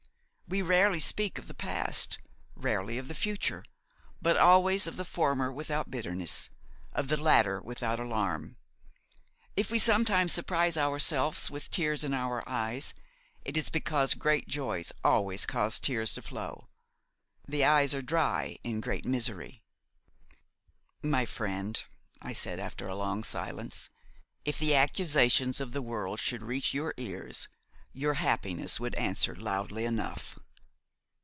We rarely speak of the past, rarely of the future; but always of the former without bitterness, of the latter without alarm. If we sometimes surprise ourselves with tears in our eyes, it is because great joys always cause tears to flow; the eyes are dry in great misery." "My friend," I said after a long silence, "if the accusations of the world should reach your ears, your happiness would answer loudly enough."